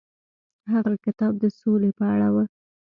هغه کتاب د سولې په اړه و.